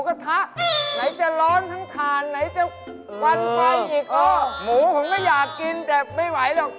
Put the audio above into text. ค่อนข้างแบบนี้เจ๊รู้เจ๊มีทางออก